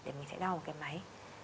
để mình sẽ đo một cái máy